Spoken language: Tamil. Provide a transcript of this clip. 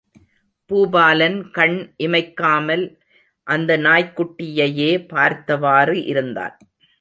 பூபாலன் கண் இமைக்காமல் அந்த நாய்க்குட்டியையே பார்த்தவாறு இருந்தான்.